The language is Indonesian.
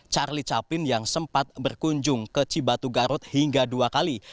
charlie chaplin yang sempat berkunjung ke cibatu garut hingga dua kali